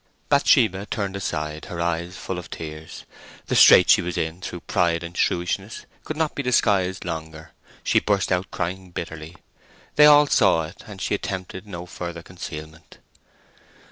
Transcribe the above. Bathsheba turned aside, her eyes full of tears. The strait she was in through pride and shrewishness could not be disguised longer: she burst out crying bitterly; they all saw it; and she attempted no further concealment.